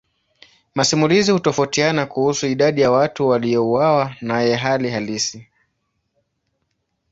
Masimulizi hutofautiana kuhusu idadi ya watu waliouawa naye hali halisi.